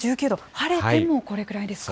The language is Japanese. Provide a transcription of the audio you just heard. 晴れてもこれくらいですか。